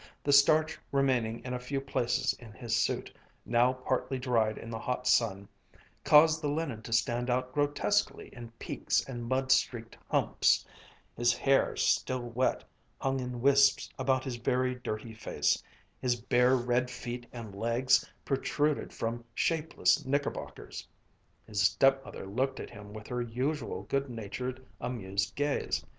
The starch remaining in a few places in his suit, now partly dried in the hot sun, caused the linen to stand out grotesquely in peaks and mud streaked humps, his hair, still wet, hung in wisps about his very dirty face, his bare, red feet and legs protruded from shapeless knickerbockers. His stepmother looked at him with her usual good natured amused gaze.